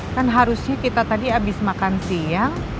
kan harusnya kita tadi habis makan siang